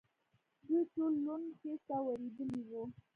دوی ټول لوند، خېشت او وېرېدلي و.